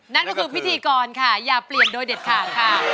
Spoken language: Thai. นั่นก็คือพิธีกรค่ะอย่าเปลี่ยนโดยเด็ดขาดค่ะ